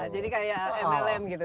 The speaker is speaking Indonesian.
jadi kayak mlm gitu